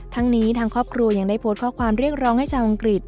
ทั้งนี้ทางครอบครัวยังได้โพสต์ข้อความเรียกร้องให้ชาวอังกฤษ